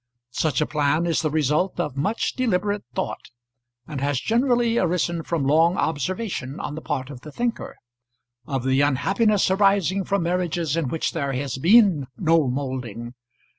Such a plan is the result of much deliberate thought, and has generally arisen from long observation, on the part of the thinker, of the unhappiness arising from marriages in which there has been no moulding.